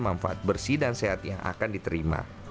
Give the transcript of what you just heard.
manfaat bersih dan sehat yang akan diterima